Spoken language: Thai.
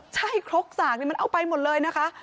ใช่ครกสากนี่มันเอาไปหมดเลยนะคะ